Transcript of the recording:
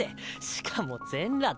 しかも全裸て。